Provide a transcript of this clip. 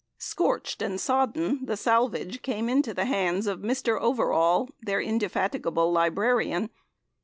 Scorched and sodden, the salvage came into the hands of Mr. Overall, their indefatigable librarian.